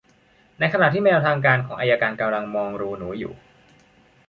ในขณะที่แมวทางการของอัยการกำลังมองรูหนูอยู่